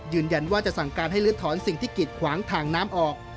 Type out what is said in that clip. ยืนยันว่าจะสั่งการให้ลื้อถอนสิ่งที่กิดขวางทางน้ำออก